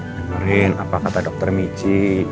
dengerin apa kata dokter michi